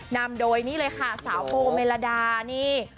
นำโดยนี่เลยค่ะสาวโฟเมลดานี่